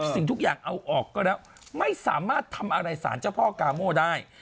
สิ่งทุกอย่างเอาออกก็แล้วไม่สามารถทำอะไรสารเจ้าพ่อกาโม่ได้